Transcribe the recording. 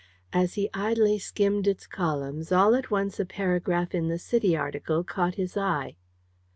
As he idly skimmed its columns, all at once a paragraph in the City article caught his eye.